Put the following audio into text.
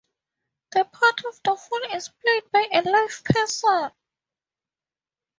The part of the fool is played by a live person.